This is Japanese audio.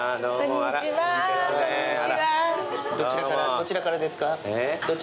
どちらからですか？